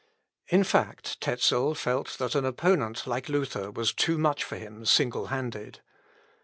In fact, Tezel felt that an opponent like Luther was too much for him single handed.